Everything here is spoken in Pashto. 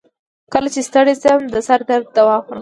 کله چې ستړی شم، د سر درد دوا خورم.